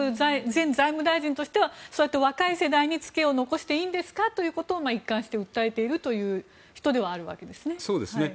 前財務大臣としてはそうやって若い世代につけを残していいんですかということを一貫して訴えている人ではあるわけですね。